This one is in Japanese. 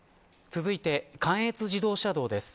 続いて関越自動車道です。